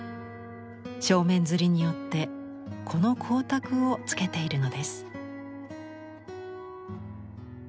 正面摺によってこの光沢をつけているのです。